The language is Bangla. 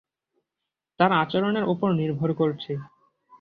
তার আচরণের উপর নির্ভর করছে।